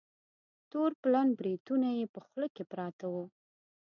تور پلن بریتونه یې په خوله کې پراته وه.